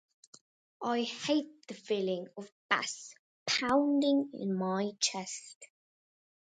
I hate the feeling of bass pounding in my chest.